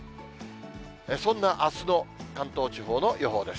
そんなあすの関東地方の予報です。